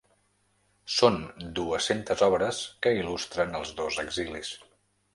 Són dues-centes obres que il·lustren els dos exilis.